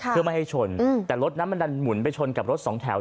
เพื่อไม่ให้ชนแต่รถนั้นมันดันหมุนไปชนกับรถสองแถว